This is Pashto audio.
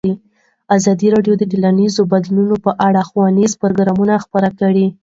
ازادي راډیو د ټولنیز بدلون په اړه ښوونیز پروګرامونه خپاره کړي.